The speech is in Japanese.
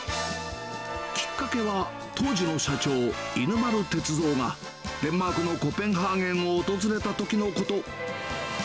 きっかけは、当時の社長、犬丸徹三が、デンマークのコペンハーゲンを訪れたときのこと。